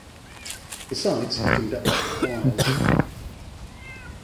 Besides he conducted choirs.